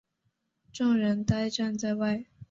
众人呆站在外